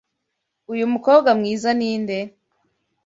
Uyu mukobwa mwiza ninde?